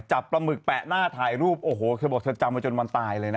ปลาหมึกแปะหน้าถ่ายรูปโอ้โหเธอบอกเธอจำมาจนวันตายเลยนะ